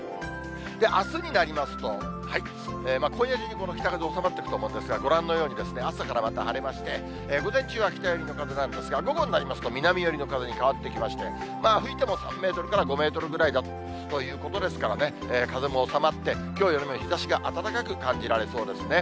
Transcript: あすになりますと、今夜中にこの北風、収まってくると思うんですが、ご覧のように、朝からまた晴れまして、午前中は北寄りの風なんですが、午後になりますと、南寄りの風に変わってきまして、吹いても３メートルから５メートルぐらいということですからね、風も収まって、きょうよりも日ざしが暖かく感じられそうですね。